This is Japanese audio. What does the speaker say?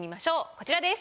こちらです。